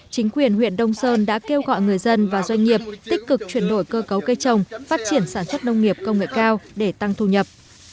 chính quyền huyện đông sơn đã kêu gọi người dân và doanh nghiệp tích cực chuyển đổi cơ cấu cây trồng phát triển sản xuất nông nghiệp công nghệ cao để tăng thu nhập